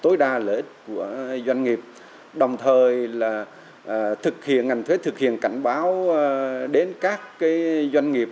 tối đa lợi ích của doanh nghiệp đồng thời là thực hiện ngành thuế thực hiện cảnh báo đến các doanh nghiệp